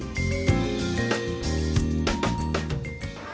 produk yang dianggap kurang memenuhi syarat akan diganti